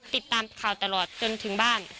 ติดตามข่าวตลอดจนถึงบ้าน